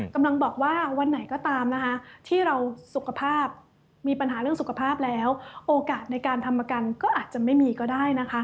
กำลังบอกว่าวันไหนก็ตามนะคะที่เราสุขภาพมีปัญหาเรื่องสุขภาพแล้วโอกาสในการทำประกันก็อาจจะไม่มีก็ได้นะคะ